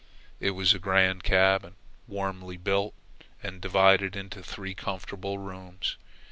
It was a grand cabin, warmly built and divided into three comfortable rooms.